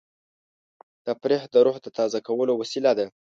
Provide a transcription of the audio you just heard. تفریح د روح د تازه کولو وسیله ده.